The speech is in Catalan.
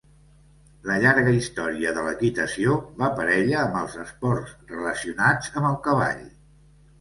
La llarga història de l'equitació va parella amb els esports relacionats amb el cavall.